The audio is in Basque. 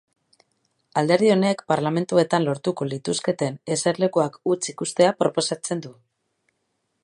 Alderdi honek parlamentuetan lortuko lituzketen eserlekuak hutsik uztea proposatzen du.